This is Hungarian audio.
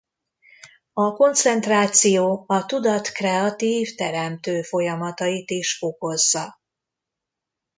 A koncentráció a tudat kreatív-teremtő folyamatait is fokozza.